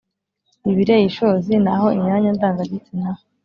« ibireye ishozi »;n a ho imyanya ndanga-gitsina